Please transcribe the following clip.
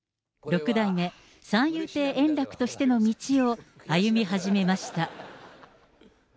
六代目三遊亭円楽としての道を歩み始めました。